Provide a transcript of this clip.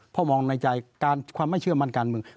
เพราะมองในใจความไม่เชื่อมั่นการเมือง